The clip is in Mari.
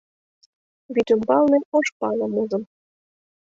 Вӱд ӱмбалне ош палым ужым.